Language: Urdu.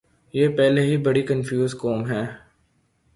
یہ پہلے ہی بڑی کنفیوز قوم ہے۔